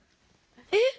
えっ？